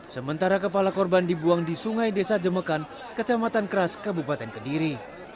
sementara kepala korban dibuang di sungai desa jemekan kecamatan keras kabupaten kediri